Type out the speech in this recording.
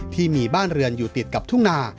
ที่มีบ้านเรือนอยู่ติดกับทุ่งนา